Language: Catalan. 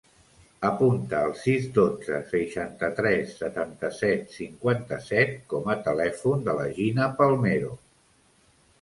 Apunta el sis, dotze, seixanta-tres, setanta-set, cinquanta-set com a telèfon de la Gina Palmero.